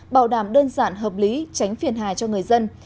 bảo đảm đơn giản hợp lý tránh phiền hà cho người dân